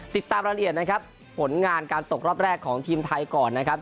ติดตามรายละเอียดนะครับผลงานการตกรอบแรกของทีมไทยก่อนนะครับ